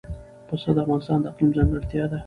پسه د افغانستان د اقلیم ځانګړتیا ده.